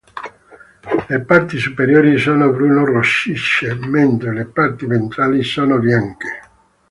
Le parti superiori sono bruno-rossicce, mentre le parti ventrali sono bianche.